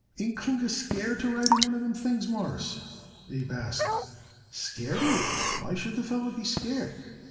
"Ain't Klinger scared to ride in one of them things, Mawruss?" Abe asked. "Scared, Abe? Why should the feller be scared?